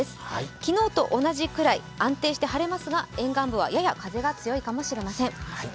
昨日と同じくらい安定して晴れますが沿岸部はやや風が強いかもしれません。